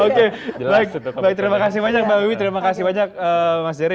oke jelek baik terima kasih banyak mbak wiwi terima kasih banyak mas jerry